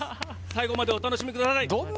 最後までお楽しみください。